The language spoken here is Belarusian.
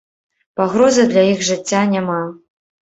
Пагрозы для іх жыцця няма.